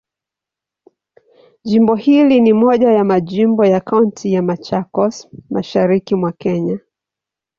Jimbo hili ni moja ya majimbo ya Kaunti ya Machakos, Mashariki mwa Kenya.